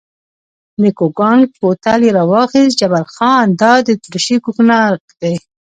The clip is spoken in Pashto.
د کوګناک بوتل یې را واخیست، جبار خان: دا اتریشي کوګناک دی.